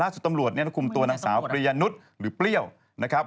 สุดตำรวจคุมตัวนางสาวปริยนุษย์หรือเปรี้ยวนะครับ